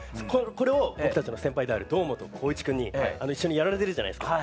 これを僕たちの先輩である堂本光一くんに一緒にやられてるじゃないですか。